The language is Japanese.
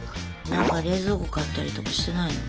なんか冷蔵庫買ったりとかしてないの？